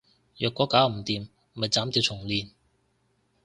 若果搞唔掂，咪砍掉重練